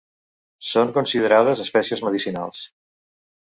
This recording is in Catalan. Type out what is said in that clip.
Són considerades espècies medicinals.